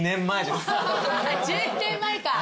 １２年前か。